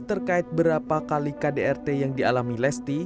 terkait berapa kali kdrt yang dialami lesti